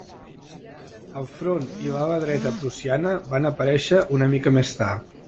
El front i l'ala dreta prussiana van aparèixer una mica més tard.